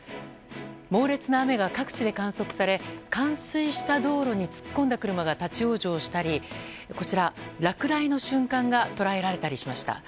猛烈な雨が各地で観測され冠水した道路に突っ込んだ車が立ち往生したりこちら、落雷の瞬間が捉えられたりしました。